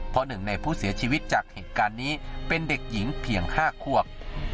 เพราะหนึ่งในผู้เสียชีวิตจากเหตุการณ์นี้เป็นเด็กหญิงเพียง๕ควบ